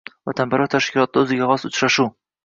“Vatanparvar” tashkilotida o‘ziga xos uchrashuvng